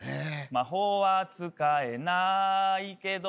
「魔法は使えないけど」